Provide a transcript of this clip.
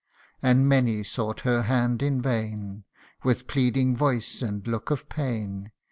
And many sought her hand in vain. With pleading voice, and look of pain.